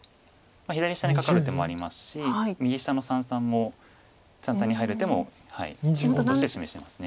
左下にカカる手もありますし右下の三々も三々に入る手も候補として示してます。